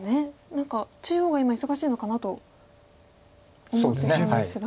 何か中央が今忙しいのかなと思ってたんですが。